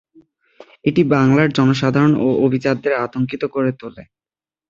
এটি বাংলার জনসাধারণ ও অভিজাতদের আতঙ্কিত করে তোলে।